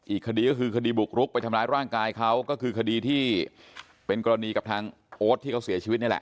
อีกคดีก็คือคดีบุกรุกไปทำร้ายร่างกายเขาก็คือคดีที่เป็นกรณีกับทางโอ๊ตที่เขาเสียชีวิตนี่แหละ